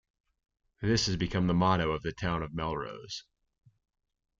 This has become the motto of the town of Melrose.